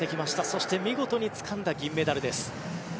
そして見事につかんだ銀メダルです。